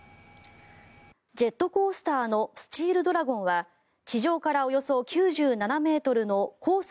ジェットコースターのスチールドラゴンは地上からおよそ９７ｍのコース